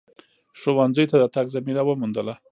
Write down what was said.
ښونځیو ته د تگ زمینه وموندله